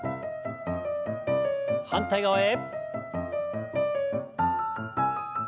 反対側へ。